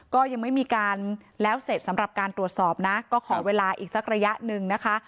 ก็ยังไม่มีการแล้วเสร็จสำหรับการตรวจสอบนะก็ขอเวลาอีกสักระยะหนึ่งนะคะ